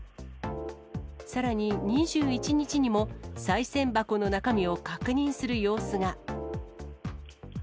さらに、２１日にもさい銭箱の中身を確認する様子が。